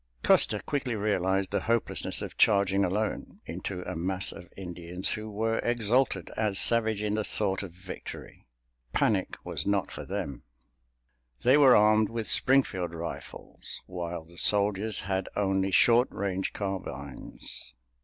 Custer quickly realized the hopelessness of charging alone into a mass of Indians, who were exultant and savage in the thought of victory. Panic was not for them. They were armed with Springfield rifles, while the soldiers had only short range carbines.